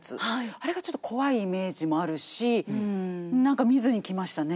あれがちょっと怖いイメージもあるし何か見ずにきましたね。